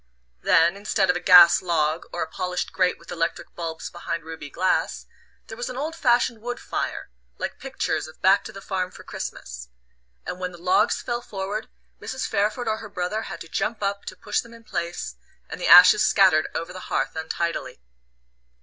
Then, instead of a gas log, or a polished grate with electric bulbs behind ruby glass, there was an old fashioned wood fire, like pictures of "Back to the farm for Christmas"; and when the logs fell forward Mrs. Pairford or her brother had to jump up to push them in place, and the ashes scattered over the hearth untidily.